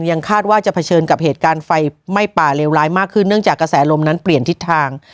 ยังคาดว่าจะเผชิญกับเหตุการณ์ไฟไหม้ป่าเลวร้ายมากขึ้นเนื่องจากกระแสลมนั้นเปลี่ยนทิศทาง